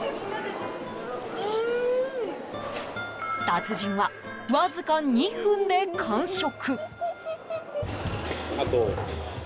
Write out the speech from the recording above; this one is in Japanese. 達人は、わずか２分で完食。